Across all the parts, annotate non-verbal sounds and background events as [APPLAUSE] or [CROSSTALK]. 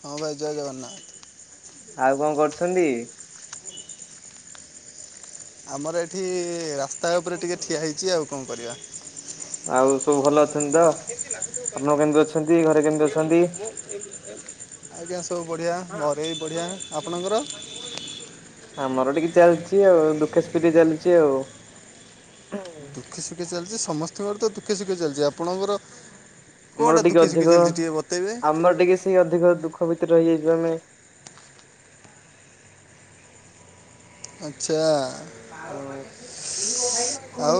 ହଁ ଭାଇ ଜୟ ଜଗନ୍ନାଥ। ଆଉ କଣ କରୁଛନ୍ତି? ଆମର ଏଠି ରାସ୍ତା ଉପରେ ଟିକେ ଠିଆ ହେଇଛି। ଆଉ କଣ କରିବା, ଆଉ ସବୁ ଭଲ ଅଛନ୍ତି ତ ଆପଣ କେମିତି ଅଛନ୍ତି ଘରେ କେମିତି ଅଛନ୍ତି। ଆଜ୍ଞା ସବୁ ବଢିଆ ଘରେ ବି ବଢିଆ ଆପଣଙ୍କର। ଆମର ଟିକେ ଚାଲିଛି ଆଉ ଦୁଃଖେ ସୁଖେ ଟିକେ ଚାଲିଛି ଆଉ। ଦୁଃଖେ ସୁଖେ ଚାଲିଛି। ସମସ୍ତଙ୍କର ତ ଦୁଃଖେସୁଖେ ଚାଲିଛି ଆପଣଙ୍କର। ଆମର କଣଟା ଟିକେ ଦୁଃଖେ ସୁଖେ ଅଧିକ। ଚାଲିଛି ଟିକେ ବତେଇବେ? ଆମର ଟିକେ ସେଇ ଅଧିକ ଦୁଃଖ ଭିତରେ ରହିଯାଇଛୁ ଆମେ। ଆଚ୍ଛା। ଆଉ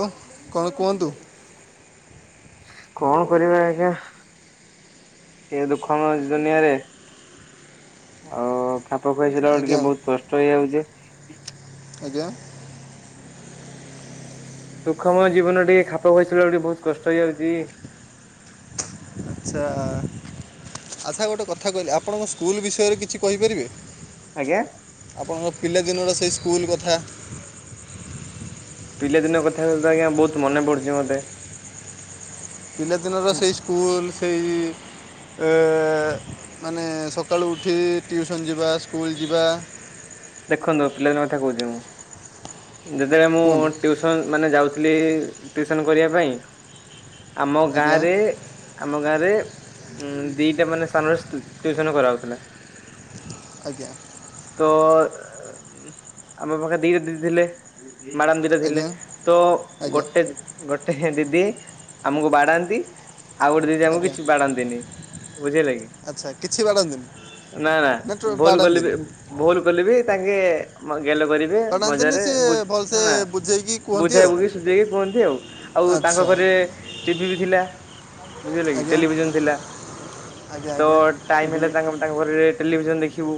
କଣ କୁହନ୍ତୁ କଣ କରିବା ଆଜ୍ଞା। ଏ ଦୁଃଖ ମୟ ଦୁନିଆରେ। ଆଉ ଖାପ [UNINTELLIGIBLE] ବେଳେ ଆଜ୍ଞା ଟିକେ ବହୁତ କଷ୍ଟ ହେଇଯାଉଛି। ଆଜ୍ଞା। ଦୁଖମୟ ଜୀବନରେ ଟିକେ ଖାପ ଖୁଆଇ ଚଳିବାକୁ ଟିକେ ବହୁତ କଷ୍ଟ ହେଇଯାଉଛି। ଆଚ୍ଛା। ଆଚ୍ଛା ଗୋଟେ କଥା କହିଲେ ଆପଣଙ୍କ ସ୍କୁଲ ବିଷୟରେ କିଛି କହିପାରିବେ। ଆଜ୍ଞା। ଆପଣଙ୍କ ପିଲାଦିନର ସେଇ ସ୍କୁଲ କଥା। ପିଲାଦିନ କଥା [UNINTELLIGIBLE] ଆଜ୍ଞା ବହୁ ମନ ପୁଡୁଛି ମତେ। ପିଲା ଦିନର ସେଇ ସ୍କୁଲ ସେଇ ଏ ମାନେ ସକାଳୁ ଉଠି ଟିଉସନ୍ ଯିବା ସ୍କୁଲ୍ ଯିବା। ଦେଖନ୍ତୁ ପିଲାଦିନ କଥା କହୁଛି ମୁଁ। ଯେତେବେଳେ ମୁଁ କୁହନ୍ତୁ ଟିଉସ ତ ମାନେ ଯାଉଥିଲି ଟିଉସନ କରିବା ପାଇଁ। ଆମ ଆଜ୍ଞା ଗାଁରେ ଆମ ଗାଁରେ ଉମ୍ ଦିଟା ମାନେ ସ୍ଥାନରେ ଟ୍ୟୁସନ କରା ହଉଥିଲା। ଆଜ୍ଞା। ତ ଆମ ପାଖରେ ଦିଟା ଦିଦି ଥିଲେ। ମ୍ୟାଡ଼ାମ ଦି ଟା ଥିଲେ ଆଜ୍ଞା ତ ଆଜ୍ଞା ଗୋଟେ ଗୋଟେ ହେ ଦିଦି ଆମକୁ ବାଡାନ୍ତି। ଆଉ ଗୋଟେ ଦିଦି ଆମକୁ ଆଜ୍ଞା କିଛି ବାଡାନ୍ତିନି। ବୁଝିହେଲା କିି। ଆଚ୍ଛା କିଛି ବାଡ଼ାନ୍ତିନି ନା ନା ଭୁଲ କଲେ ବି ଭୁଲ କଲେ ବି ତାଙ୍କେ ମ ଗେଲ କରି ବାଡ଼ାନ୍ତିନି ମଜାରେ ସିଏ ବୁ ନା ଭଲସେ ନା ବୁଝେଇକି କୁହନ୍ତି ବୁଝାଇ ଆଉ ବୁଝେଇ ସୁଝେଇକି କୁହନ୍ତି ଆଉ। ଆଉ ତାଙ୍କ ଆଚ୍ଛା ଘରେ ଟିଭି ବି ଥିଲା। ବୁଝିହେଲା କି ଆଜ୍ଞା ଟେଲିଭିଜନ ଥିଲା ଆଜ୍ଞା ତ ଆଜ୍ଞା ଟାଇମ ଟିଭି ହେଲେ ତାଙ୍କ ତାଙ୍କ ଘରେ ଯାଇ ଟେଲିଭିଜନ ଦେଖିବୁ।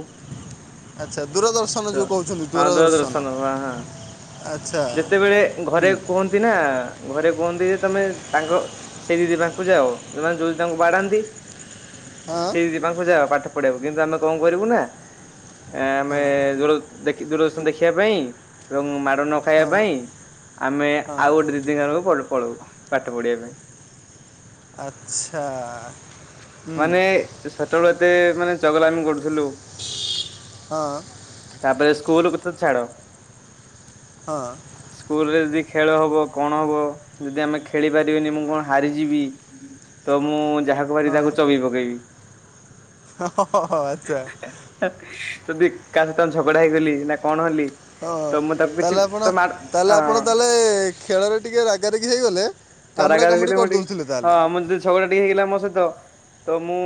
ଆଚ୍ଛା। ଦୂରଦର୍ଶନ ତ ଯେଉଁ କହୁଛନ୍ତି ହଁ ଦୂରଦର୍ଶନ ହ ହଁ ଆଚ୍ଛା ଯେତେବେଳେ ହୁଁ ଘରେ କୁହ ନ୍ତି ନା ଘରେ କୁହନ୍ତି ଯେ ତମେ ତାଙ୍କ ସେଇ ଦିଦି ପାଖକୁ ଯାଅ ସେମାନେ ଯୋଉ ଦିଦି ତମକୁ ବାଡାନ୍ତି? ହଁ [UNINTELLIGIBLE] ହଁ ହଁ [UNINTELLIGIBLE] ଆମେ ହଁ ଆଉ ଗୋଟେ ଦିଦିଙ୍କ ପାଖକୁ ପଳଉ ପାଠ ପଢିବା ପାଇଁ। ଆଚ୍ଛା। ହୁଁ ମାନେ ସେତେବେଳେ ଏତେ ମାନେ ଚଗଲାମି କରୁଥିଲୁ। ହଁ। ତାପରେ ସ୍କୁଲ କଥା ଛାଡ। ହଁ। ସ୍କୁଲରେ ଯଦି ଖେଳ ହବ କଣ ହବ ଯଦି ଆମେ ଖେଳି ପାରିବିନି ମୁଁ କଣ ହାରିଯିବି। ତ ମୁଁ ଯାହାକୁ ପାରିବି ତାକୁ ଚୋବେଇ ପକେଇବି। ହଁ ହୋ ହୋ ଆଚ୍ଛା। ଯଦି କାହା ସହିତ ଝଗଡା ହେଇଗଲି ନା କଣ ହେଲି। ହଁ ତ ମୁଁ ତାକୁ କିଛି ତାହେଲେ ଆପଣ ତ ମା ତାହେଲେ ଆପଣ ତାହେଲେ ଖେଳରେ ଟିକେ ରାଗାରାଗି ହେଇଗଲେ କାମୁଡ଼ା କାମୁଡି କରିଦେଉଥିଲେ ତାହେଲେ। ଝଗଡ଼ା ଟିକେ ହେଇଗଲା ମୋ ସହିତ। ତ ମୁଁ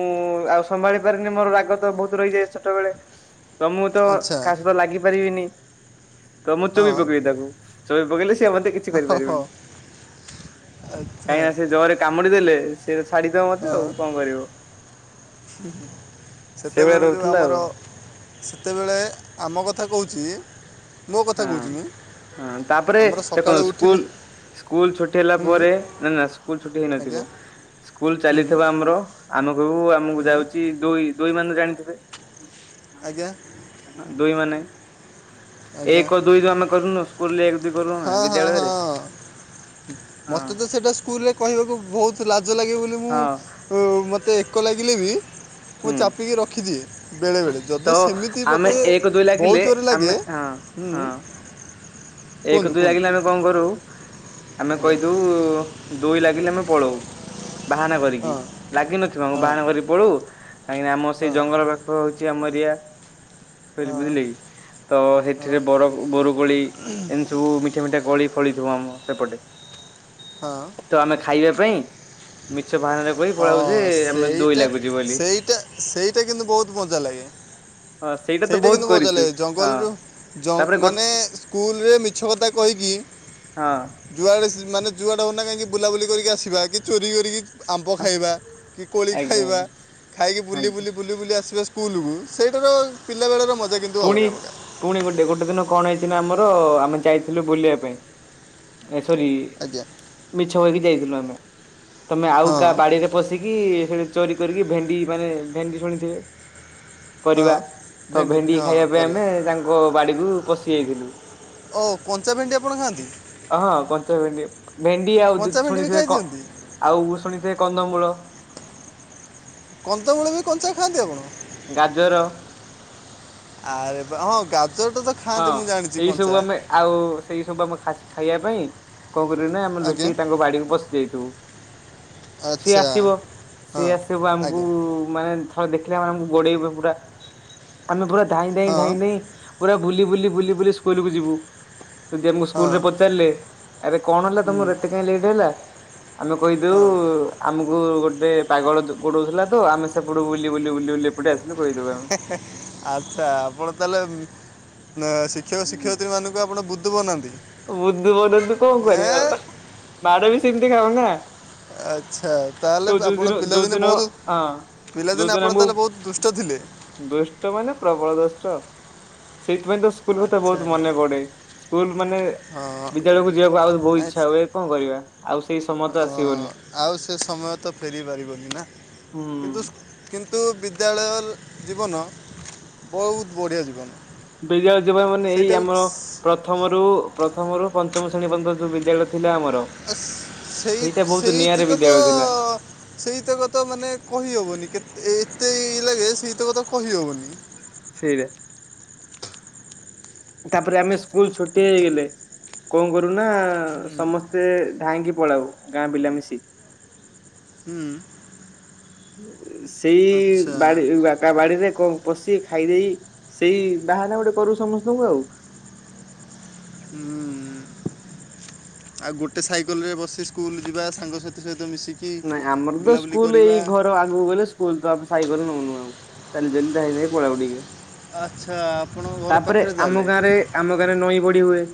ଆଉ ସମ୍ଭାଳି ପାରିନି ମୋର ରାଗ ତ ବହୁତ୍ ରହିଯାଏ ଛୋଟବେଳେ। ତ ମୁଁ ତ ଆଚ୍ଛା କାହା ସହିତ ଲାଗି ପାରିବିନି ତ ମୁଁ ହଁ ଚୋବେଇ ପକେଇବି ତାକୁ। ଚୋବେଇ ପକେଇଲେ ସିଏ ମୋତେ ଆଉ କିଛି ହଁ ହଁ କରିପାରିବନି। ଆଚ୍ଛା କାହିଁକି ନା ସେ ଜୋରରେ କାମୁଡି ଦେଲେ ସେ ଛାଡିଦବ ହଁ ମତେ ଆଉ କଣ କରିବ। [INAUDIBLE] ସେଇଭଳିଆ ସେତେବେଳେ ଯୋଉ ରହୁଥିଲା ଆଉ ଆମର ସେତେବେଳେ ଆମ କଥା କହୁଛି। ମୋ କଥା ହଁ କହୁଛି ମୁଁ ହଁ ତାପରେ ଆମର ସକାଳୁ ଦେଖନ୍ତୁ ଉଠିଲେ ସ୍କୁଲ ସ୍କୁଲ ଛୁଟି ହେଲା ହୁଁ ପରେ ନା ନା ସ୍କୁଲ ଛୁଟି ଆଜ୍ଞା ହେଇନଥିବ। ସ୍କୁଲ ହୁଁ ଚାଲିଥିବ ଆମର ଆମେକହିବୁ ଆମକୁ ହୁଁ ଯାଉଛି ଦୁଇ ଦୁଇ ମାନେ ଜାଣିଥିବେ? ଆଜ୍ଞା। ଦୁଇ ମାନେ। ଆଜ୍ଞା ଏକ ଦୁଇ ଯୋଉ ଆମେ କରୁନୁ ସ୍କୁଲରେ ଏକ ଦୁଇ କରୁ। ଆମେ ହଁ ହଁ ବିଦ୍ୟାଳୟରେ ହଁ ହଁ ମତେ ତ ସେଟା ସ୍କୁଲରେ କହିବାକୁ ବହୁତ ଲାଜ ଲାଗେ ବୋଲି ହଁ। ମୁଁ ମୋତେ ଏକ ଲାଗିଲେ ବି ମୁଁ ହୁଁ ଚାପିକି ରଖିଦିଏ ବେଳେବେଳେ। ତ ଯଦି ସେମିତି ଆମେ ମୋତେ ଏକ ଦୁଇ ଲାଗିଲେ ବହେ ଜୋରରେ ଲାଗେ ଆମେ ହଁ ହୁଁ। ହଁ ଏକ କୁହନ୍ତୁ ଦୁଇ କୁହନ୍ତୁ ଲାଗିଲେ ଆମେ କଣ କରୁ ଆମେ ଆଜ୍ଞା କହିଦୋଉ ଦୁଇ ଲାଗିଲେ ଆମେ ପଳଉ ବାହାନା କରିକି ହଁ ଲାଗିିନଥିବ ଆମକୁ ହଁ ବାହାନା କରିକି ପଳଉ। କାହିଁକିନା ଆମ ହଁ ସେଇ ଜଙ୍ଗଲ ପାଖ ହଉଛି ଆମ ଏରିଆ ହଁ ବୁଝିଲେ କି। ତ ହଁ ହେଠିରେ ବର ବରକୋଳି ଏମିତି ସବୁ ମିଠା ମିଠା କୋଳି ଫଳି ଥିବ ଆମ ସେପଟେ। ହଁ ତ ଆମେ ଖାଇବା ପାଇଁ ମିଛ ବାହାନାରେ କହିକି ପଳାଉ। ଯେ ହଁ ଆମେ ଦୋଇ ସେଇଟା ଲାଗୁଛି ବୋଲି। ସେଇଟା ସେଇଟା କିନ୍ତୁ ବହୁତ୍ ମଜା ଲାଗେ। ହଁ ତ ସେଇଟା ବହୁତ କିନ୍ତୁ ମଜା କରିଛୁ ଲାଗେ ହଁ ଜଙ୍ଗଲରୁ ତାପରେ ଜଙ୍ଗ ଗୋ ମାନେ ସ୍କୁଲରେ ମି ମିଛ କଥା କହିକି ହଁ। ଯୁଆଡ଼େ ମାନେ ଯୁଆଡ଼େ ହୋଉନା କାହିଁକି ବୁଲାବୁଲି କରିକି ଆସିବା କି ଚୋରି କରିକି ଆମ୍ବ ଖାଇବା କି କୋଳି ଆଜ୍ଞା ଖାଇବା ଆଜ୍ଞା ଖାଇକି ବୁଲି ଆଜ୍ଞା। ବୁଲି ବୁଲି ବୁଲି ଆସିବା ସ୍କୁଲକୁୁ ସେଇଟାର ପିଲାବେଳର ମଜା କି ପୁଣି ପୁଣି ଗୋଟେ ଗୋଟେ ଦିନ କଣ ହେଇଛି ନା ଆମର ଆମେ ଯାଇଥିଲୁ ବୁଲିବା ପାଇଁ। ଏ ସରି ଆଜ୍ଞା ମିଛ କହିକି ଯାଇଥିଲୁ ଆମେ ତମେ ଆଉ ହଁ କାହା ବାଡିରେ ପଶିକି ସେଠି ଚୋରି କରିକି ଭେଣ୍ଡି ମାନେ ଭେଣ୍ଡି ଶୁଣିଥିବେ। ହଁ ପରିବା ତ ବି- ଭେଣ୍ଡି ହଁ ଖାଇବା ପାଇଁ ପରିବା ଆମେ ତାଙ୍କ ବାଡିକୁ ପଶି ଯାଇଥିଲୁ। ଓ କଞ୍ଚା ଭେଣ୍ଡି ଆପଣ ଖାଆନ୍ତି‌? ହଁ କଞ୍ଚା ଭେଣ୍ଡି ଭେଣ୍ଡି ଆଉ କଞ୍ଚା ଭେଣ୍ଡି ବି ଶୁଣିଥିବେ କ ଖାଇଦିଅନ୍ତି ଆଉ ଶୁଣିଥିବେ କନ୍ଦମୂଳ। କନ୍ଦମୂଳ ବି କଞ୍ଚା ଖାଆନ୍ତି ଆପଣ? ଗାଜର। ଆରେ ବାଃ ହଁ [UNINTELLIGIBLE] ତ ହଁ ଖାଆନ୍ତି ମୁଁ ଜାଣିଛି ଏଇ ସବୁ କଞ୍ଚା ଆମେ ଆଉ ସେଇ ସବୁ ଆମ ଖାସ୍ ଖାଇବା ପାଇଁ କଣ କରିବୁ ନା ଆମେ ଆଜ୍ଞା ଲୁଚିକି ତାଙ୍କ ବାଡିକୁ ପଶି ସେଇଠୁ ସିଏ ଆଚ୍ଛା ଆସିବ ହଁ ସିଏ ଆସିବାକୁ ଆମକୁ ଆଜ୍ଞା [UNINTELLIGIBLE] ଦେଖିଲେ ଆମକୁ ଗୋଡେଇବ ପୁରା ଆମେ ପୁରା ଧାଇଁ ଧାଇଁ ହଁ ଧାଇଁ ଧାଇଁ ପୁରା ବୁଲି ବୁଲି ବୁଲି ବୁଲି ସ୍କୁଲକୁୁ ଯିବୁ ଯଦି ଆମକୁ ହଁ ସ୍କୁଲରେ ପଚାରିଲେ ଆରେ କଣ ହେଲା ହୁଁ ତମର ଏତେ କାହିଁ ଲେଟ୍ ହେଲା ଆମେ କହିଦେଉ ହଁ ଆମକୁ ଗୋଟେ ପାଗଳ ଗୋଡଉଥିଲା ତ ଆମେ ସେପଟୁ ବୁଲି ବୁଲି ବୁଲି ବୁଲି ଏପଟେ ଆସିଲୁ କହିଦଉ ଆମେ। ଆଚ୍ଛା ଆପଣ ତାହେଲେ ନା ଶିକ୍ଷକ ଶିକ୍ଷୟତ୍ରୀ ମାନଙ୍କୁ ଆପଣ ବୁଧୁ ବନାନ୍ତି। ବୁଧୁ ବନନ୍ତୁ କଣ କରିବା ଏଁ? ଆଉ ମାଡ ବି ସେମିତି ଖାଉ ନା। ଆଚ୍ଛା ତ ତାହେଲେ ଯୋଉ ଦିନ ଆପଣ ଯୋଉ ପିଲାଦିନେ ଦିନ ବହୁତ ହଁ। ପିଲାଦିନେ ଯୋଉଦିନ ଆପଣ ଆମକୁ ତାହେଲେ ବହୁତ ଦୁଷ୍ଟ ଥିଲେ? ଦୁଷ୍ଟ ମାନେ ପ୍ରବଳ ଦୋଷ୍ଟ, ସେଇଥିପାଇଁ ତ ସୁ ସ୍କୁଲ କଥା ଆଚ୍ଛା ବହୁତ ମନେ ପଡେ, ସ୍କୁଲ ମାନେ ହଁ ବିଦ୍ୟାଳୟକୁ ଯିବାକୁ ଆହୁ ବହୁତ ନାଇଁ ଇଚ୍ଛା ହୁଏ କଣ କରିବା ଆଉ ସେଇ ସମୟ ତ ହଁ ଆସିବନି। ଆଉ ସେ ସମୟ ତ ଫେରି ପାରିବନି ନା, ହୁଁ କିନ୍ତୁ କିନ୍ତୁ ବିଦ୍ୟାଳୟର ଜୀବନ ବହୁତ ବଢ଼ିଆ ଜୀବନ। ବିଦ୍ୟାଳୟ ଯିବ ମାନେ ଏଇ ସେଇଟାକୁ ଆମର ପ୍ରଥମରୁ ପ୍ରଥମରୁ ପଞ୍ଚମ ଶ୍ରେଣୀ ପର୍ଯ୍ୟନ୍ତ ଯୋଉ ବିଦ୍ୟାଳୟ ଥିଲା ଆମର ସ୍- ସେଇ ସେଇଟା ବହୁତ ସେଇ ନିଆରା ତିକ ତ ବିଦ୍ୟାଳୟ ଥିଲା ସେଇ ତକ ତ ମାନେ କହି ହବନି କେତେ ଏତେ ଲାଗେ ସେଇ ତକ ତ କହିହବନି। ସେଇରେ ତାପରେ ଆମେ ସ୍କୁଲ ଛୁଟି ହେଇଗଲେ। କଣ କରୁନା ହୁଁ ସମସ୍ତେ ଧାଇଁକି ପଳାଉ ଗାଁ ପିଲା ମିଶି। ହୁଁ। ସେଇ ଆଚ୍ଛା ବା ବା କା ବାଡିରେ କଣ ପଶି ଖାଇଦେଇ ସେଇ ବାହାନା ଗୋଟେ କରୁ ସମସ୍ତଙ୍କୁ ଆଉ। ହୁଁ। ଆଉ ଗୋଟେ ସାଇକେଲରେ ବସି ସ୍କୁଲ ଯିବା, ସାଙ୍ଗସାଥି ସହିତ ମିଶିକି। ନାଇଁ ଆମର ତ ବୁଲାବୁଲି ସ୍କୁଲ ଏଇ କରିବା ଘର ଆଗକୁ ଗଲେ। ସ୍କୁଲ ତ [UNINTELLIGIBLE] ସାଇକଲ ନଉନୁ ଆଉ, ଚାଲି ଚାଲି ଧାଇଁ ଧାଇଁ ପଳେଇବୁ ଟିକେ। ଆଚ୍ଛା ଆପଣଙ୍କ ଘର ତାପରେ ଆମ ପାଖରେ [UNINTELLIGIBLE] ଗାଁରେ ଆମ ଗାଁରେ ନଈ ବଢି ହୁଏ।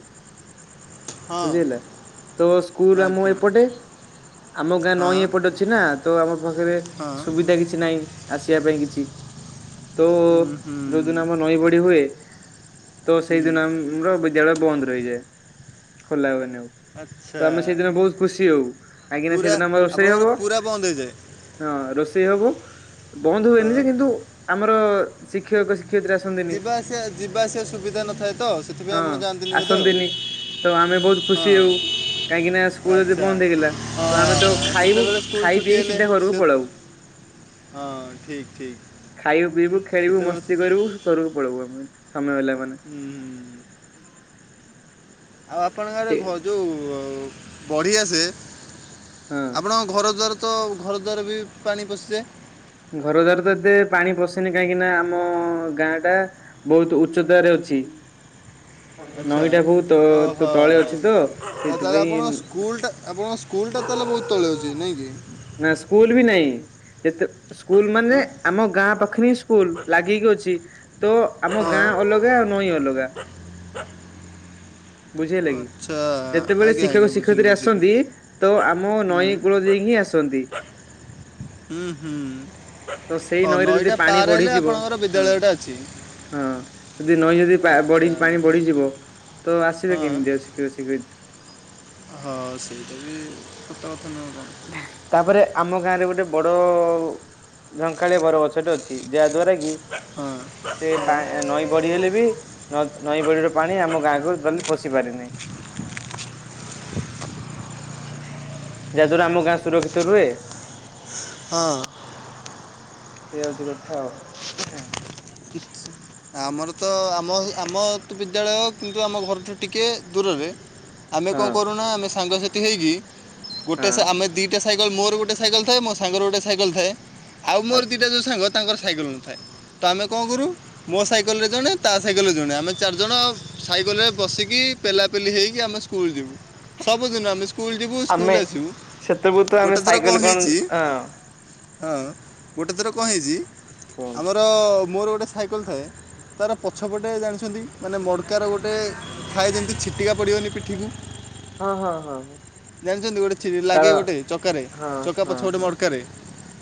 ହଁ ବୁଝି ହେଲା, ତ ସ୍କୁଲ ଆମ ଆଜ୍ଞା ଏପଟେ ଆମ ଗାଁ ହଁ ନଈଁ ଏପଟେ। ଅଛି ନା ତ ଆମ ପାଖରେ ହଁ ସୁବିଧା କିଛି ନାହିଁ ଆସିବା ପାଇଁ କିଛି। ତ ହୁଁ ହୁଁ ଯୋଉଦିନ ଆମର ନଈ ବଡି ହୁଏ। ତ ହୁଁ ସେଇଦିନ ଆମର ବିଦ୍ୟାଳୟ ବନ୍ଦ ରହିଯାଏ ଖୋଲା ହୁଏନି ଆଉ। ତ ଆଚ୍ଛା ଆମେ ସେଇଦିନ ବହୁତ ଖୁସି ହଉ କାହିଁକିନା ପୁରା ସେଦିନ ଆମର ରୋଷେଇ ହବ। ଆପଣଙ୍କର ପୁରା ବନ୍ଦ ହେଇଯାଏ ହଁ ରୋଷେଇ ହବ ବନ୍ଦ ହୁଏନି ହଁ ଯେ କିନ୍ତୁ ଆମର ଶିକ୍ଷକ ଶିକ୍ଷୟିତ୍ରୀ ଆସନ୍ତିନି ଯିବା ଆସିବା ଯିବା ଆସିବା ସୁବିଧା ନଥାଏ ତ ସେଥିପାଇଁ ହଁ ଆପଣ ଜାଣନ୍ତିନି ବୋଧେ ଆଉ। ଆସନ୍ତିନି ତ ଆମେ ବହୁତ ଖୁସି ହଁ ହଉ କାହିଁକି ନା ସ୍କୁଲ ଯଦି ଆଚ୍ଛା ବନ୍ଦ ଥିଲା ତ ଆମେ ହଁ ତ ଖାଇବୁ ସେତେବେଳେ ସ୍କୁଲ୍ ଖାଇ ଛୁଟି ପିଇକି ହେଲେ ସିଧା ଘରକୁ ସେ ପଳଉୁ। ହଁ ଠିକ୍ ଠିକ୍ ଖାଇବୁ ପିଇବୁ ଖେଳିବୁ ସେତେବେଳେ ମସ୍ତି କରିବୁ ଘରକୁୁ ପଳେଇବୁ ଆମେ ଆମ ପିଲା ମାନେ ହୁଁ ହୁଁ। ହ ଆଉ ଆପଣଙ୍କଘରେ ଘ ଯୋଉ--ବଢି ଆସେ। ହଁ ଆପଣଙ୍କ ଘର ଦ୍ଵାର ତ ଘର ଦ୍ୱାର ବି ପାଣି ପଶିଯାଏ? ଘର ଦ୍ୱାର ତ ଏତେ ପାଣି ପସେନି କାହିଁକି ନା ଆମ ଗାଁ ଟା ବହୁତୁ ଉଚ୍ଚତାରେ ଅଛି। ଆଚ୍ଛା ନଈଟା ବହୁ ତ ତ ଓହୋ ତଳେ ଅଛି ତ। ଆଉ ତାହେଲେ ସେଇଥିପାଇଁ ଆପଣଙ୍କ ସ୍କୁଲଟା ଆପଣଙ୍କ ସ୍କୁଲ୍ ଟା ତା ହେଲେ ବହୁତ ତଳେ ଅଛି ନାଇଁକି? ନା ସ୍କୁଲୁ ବି ନାଇଁ। ଯେତେ। ସ୍କୁଲୁ ମାନେ ଆଁ ଆମ ଗାଁ ପାଖରେ ହିଁ ସ୍କୁଲୁ ଲାଗିକି ଅଛି। ତ ଆମ ହଁ ଗାଁ ଅଲଗା ଆଉ ନଈଁ ଅଲଗା। [UNINTELLIGIBLE] ବୁଝି ହେଲା କି। ଆଚ୍ଛା ଯେତେବେଳେ ଆଜ୍ଞା ଆଜ୍ଞା ଶିକ୍ଷକ ବୁଝିଲି ଶିକ୍ଷୟତ୍ରୀ ବୁଝିଲି ଆସନ୍ତି ତ ଆମ ହୁଁ ନଈ କୂଳ ଦେଇକି ଆସନ୍ତି। [UNINTELLIGIBLE] ହୁଁ ହୁଁ। ତ ସେଇ ହ ନଈରେ ଯଦି ନଈଟା ପାଣି ପାର ହେଲେ ବଢିଯିବ ଆପଣଙ୍କର ହଁ ବିଦ୍ୟାଳୟ ଟା ଅଛି। ହଁ। ଯଦି ନଈ ଯଦି ପା ଆଚ୍ଛା ବଢି ପାଣି ବୁଝିଲି ବଢିଯିବ। ତ ହଁ ଆସିବେ କେମିତି ଆସି ପିଉସୀ କହିଦେ। ହଁ ସେଇଟା ବି ସତ କଥା ନୁହଁ ଆଉ କଣ। ତାପରେ ଆମ ଗାଁ ରେ ଗୋଟେ ବଡ ଝଙ୍କାଳିଆ ବର ଗଛ ଟେ ଅଛି। ଯାହା ଦ୍ଵାରା କି। ହଁ ସେ ପା ନଈ ବଢି ହେଲେ ବି ନ ନଈ ବଡ଼ିର ପାଣି ଆମ ଗାଁକୁ ଟୋଟାଲୀ ପଶି ପାରିନି। ଯାହାଦ୍ଵାରା ଆମ ଗାଁ ସୁରକ୍ଷିତ ରୁହେ। ହଁ। ଏହାହଉଛି କଥା ଆଉ। [UNINTELLIGIBLE] ଆମର ତ ଆମ ଆମ ତ ବିଦ୍ୟାଳୟ କିନ୍ତୁ ଆମ ଘରଠୁ ଟିକିଏ ଦୂରରେ। ଆମେ କ ହଁ କରୁନା ଆମେ ସାଙ୍ଗସାଥି ହେଇକି। ଗୋଟେ ହଁ ସେ ଆମେ ଦିଟା ସାଇକଲ ମୋର ଗୋଟେ ସାଇକଲ ଥାଏ ମୋ ସାଙ୍ଗର ଗୋଟେ ସାଇକେଲ ଥାଏ। ଆଉ ମୋର ଆଚ୍ଛା। ଦିଟା ଯୋଉ ସାଙ୍ଗ ତାଙ୍କର ସାଇକେଲ ନଥାଏ। ତ ଆମେ କ କରୁ ମୋ ସାଇକେଲରେ ଜଣେ ତା ସାଇକେଲରେ ଜଣେ ଆମେ ଚାରିଜଣ ସାଇକେଲ ରେ ବସିକି ପେଲାପେଲି ହେଇକି ଆମେ ସ୍କୁଲୁ ଯିବୁ। ସବୁଦିନ ଆମେ ସ୍କୁଲୁ ଯିବୁ ସ୍କୁଲୁ ଆମେ ଆସିବୁ। ସେତେବେଳୁ ତ ଆମେ ଗୋଟେ ଥର କ ସାଇକେଲ କଣ ହେଇଛି ହଁ ହଁ। ଗୋଟେ ଥର କ ହେଇଛି କୁହନ୍ତୁ। ଆମର ମୋର ଗୋଟେ ସାଇକେଲ ଥାଏ ତାର ପଛପଟେ ଜାଣିଛନ୍ତି ମାନେ ମଡ଼କାର ଗୋଟେ ଥାଏ ଯେମିତି ଛିଟିକା ପଡ଼ିବନି ପିଠିକୁ ହଁ ହଁ ହଁ। ଜାଣିଛନ୍ତି ଗୋଟେ ଚିରି ତାର ଲାଗେ ଗୋଟେ ଚକାରେ ହଁ ଚକା ହଁ ପଛ ପଟେ ହଁ ମଡକାରେ।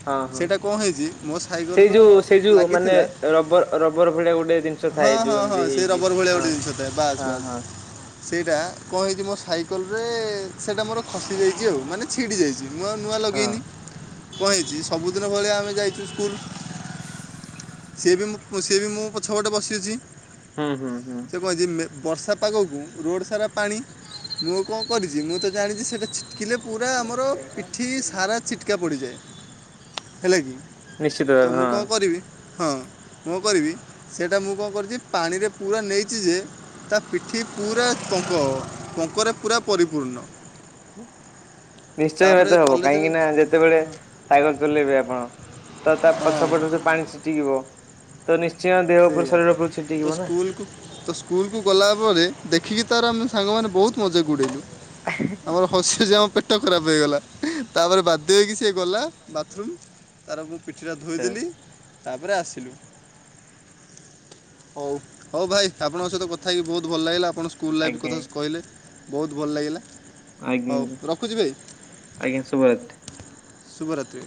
ହଁ ହଁ। ସେଇଟା କ ହେଇଛି ମୋ ସେଇ ସାଇକଲର ଯୋଉ ସେଇ ଯୋଉ ମାନେ ଲାଗିଥିଲା। ରବର ରବର ଭଳିଆ ଗୋଟେ ଦି ହଁ ହଁ ହଁ ସେଇ ରବର ଭଳିଆ ଗୋଟେ ଜିନିଷ ଥାଏ ବାସ୍ ହଁ ବାସ୍। ହଁ ସେଇଟା କ ହେଇଛି ମୋ ସାଇକଲରେ ସେଇଟା ମୋର ଖସିଯାଇଛି ଆଉ ମାନେ ଛିଡ଼ି ଯାଇଛି। ନୂଆ ନୂଆ ହଁ ଲଗେଇନି। କ ହେଇଛି ସବୁଦିନ ଭଳିଆ ଆମେ ଯାଇଛୁ ସ୍କୁଲୁ। ସିଏ ବି ମୁଁ ସିଏ ବି ମୁଁ ପଛପଟେ ବସିଛି। ହୁଁ ହୁଁ। ସିଏ କହିଛି ମେ ବର୍ଷା ପାଗକୁ ରୋଡ଼ ସାରା ପାଣି। ମୁଁ କଁ କରିଚି? ମୁଁ ତ ଜାଣିଚି ସେ ଦେକ୍ଛ୍। କିଲେ ପୁରା ଆମର ପିଠି ସାରା ଛିଟ୍କା ପଡ଼ିଯାଏ, ହେଲା କି? ନିଶ୍ଚିତ ତ, ଭାବେ ମୁଁ ହଁ। କଁ କରିବି? ହଁ। ମୁଁ କରିବି, ସେଇଟା ମୁଁ କଣ କରିଚି! ପାଣିରେ ପୁରା ନେଇଚି ଯେ ତା ପିଠି ପୁରା ପଙ୍କ! ପଙ୍କରେ ପୁରା ପରିପୂର୍ଣ୍ଣ। ନିଶ୍ଚୟ ତାପରେ ଏତେ ହବ। କଲେଜରେ କାହିଁକି ନା, ଯେତେବେଳେ ସାଇକେଲ ଚଲେଇବେ ଆପଣ। ତ ତା' ହଁ ପଛପଟରୁ ଯୋଉ ପାଣି ଛିଟିକିବ ତ, ନିଶ୍ଚୟ ଦେହ ଉପରୁ ସେଇଆ ଶରୀର ତ- ଉପରୁ ତ ଛିଟିକିବ ନା! ସ୍କୁଲକୁ ତ ସ୍କୁଲକୁ ଗଲା ପରେ ଦେଖିକି ତାର, ଆମେ ସାଙ୍ଗମାନେ ବହୁତ ମଜାକ୍ ଉଡ଼େଇଲୁ। ଆମର ହସି ହସି ଆମ ପେଟ ଖରାପ ହେଇଗଲା। ତା'ପରେ ବାଧ୍ୟ ହେଇକି ସେ ଗଲା ବାଥ୍ ରୁମ୍ ତାର ମୁଁ ପିଠିଟା ଆଚ୍ଛା ଆଚ୍ଛା ଧୋଇଦେଲି, ତାପରେ ଆସିଲୁ। ହଉ, ହଉ ଭାଇ ଆପଣଙ୍କ ସହିତ କଥା ହେଇକି ବହୁତ୍ ଭଲ ଲାଗିଲା। ଆପଣ ସ୍କୁଲ୍ ଲାଇଫ୍ ଆଜ୍ଞା କଥା କହିଲେ। ବହୁତ୍ ଭଲ ଲାଗିଲା। ଆଜ୍ଞା ଜ୍ଞା ହଉ ଜ୍ଞା, ରଖୁଛି ଭାଇ ଆଜ୍ଞା ଶୁଭରାତ୍। ଶୁଭରାତ୍ରୀ।